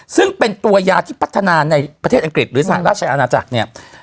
ซึ่งเป็นตัวยาที่พัฒนาในประเทศอังกฤษหรือสหราชอาณาจักรเนี่ย